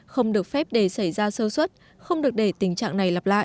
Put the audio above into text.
không được phép để xảy ra sơ xuất không được để tình trạng này lặp lại